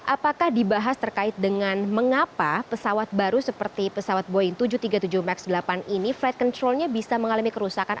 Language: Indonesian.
apakah dibahas terkait dengan mengapa pesawat baru seperti pesawat boeing tujuh ratus tiga puluh tujuh max delapan ini flight controlnya bisa mengalami kerusakan